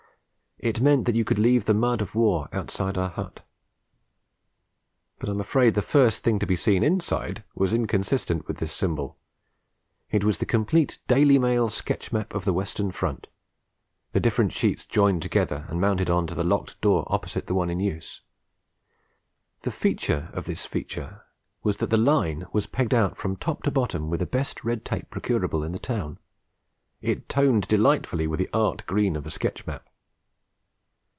It meant that you could leave the mud of war outside our hut; but I am afraid the first thing to be seen inside was inconsistent with this symbol. It was the complete Daily Mail sketch map of the Western Front, the different sheets joined together and mounted on the locked door opposite the one in use. The feature of this feature was that the Line was pegged out from top to bottom with the best red tape procurable in the town. It toned delightfully with the art green of the sketch map.